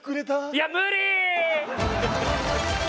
いや無理ー！